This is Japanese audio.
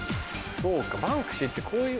そうかバンクシーってこういう。